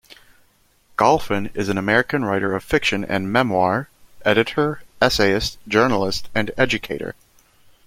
Golphin is an American writer of fiction and memoir, editor, essayist, journalist and educator.